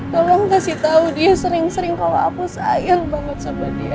tolong kasih tahu dia sering sering kalau aku sayang banget sama dia